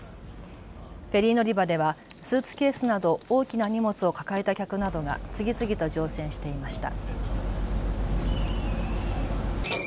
フェリー乗り場ではスーツケースなど大きな荷物を抱えた客などが次々と乗船していました。